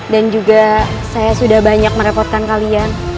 dan juga saya sudah banyak merepotkan kalian